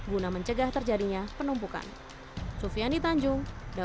guna mencegah terjadinya penumpukan